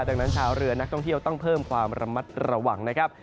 ดังนั้นชาวเรือนักท่องเที่ยวต้องเพิ่มความระมัดระวังนะครับ